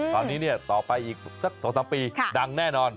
ตอนนี้ต่อไปอีกสัก๒๓ปีดังแน่นอน